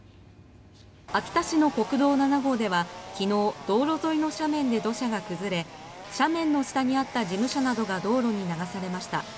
秋田市の国道７号では昨日道路沿いの斜面で土砂が崩れ斜面の下にあった事務所などが道路に流されました。